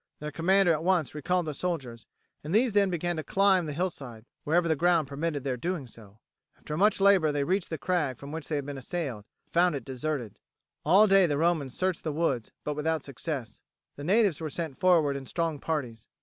Their commander at once recalled the soldiers, and these then began to climb the hillside, wherever the ground permitted their doing so. After much labour they reached the crag from which they had been assailed, but found it deserted. All day the Romans searched the woods, but without success. The natives were sent forward in strong parties.